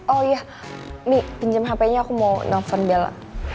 oh iya nih pinjam hpnya aku mau nelfon bella